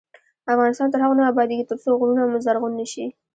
افغانستان تر هغو نه ابادیږي، ترڅو غرونه مو زرغون نشي.